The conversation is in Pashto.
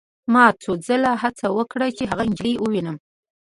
ما څو ځله هڅه وکړه چې هغه نجلۍ ووینم